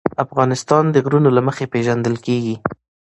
افغانستان د غرونه له مخې پېژندل کېږي.